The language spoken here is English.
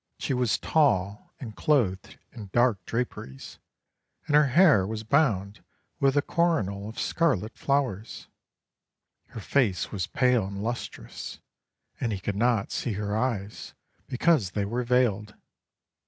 She was tall, and clothed in dark draperies, and her hair was bound with a coronal of scarlet flowers, her face was pale and lustrous, and he could not see her eyes because they were veiled.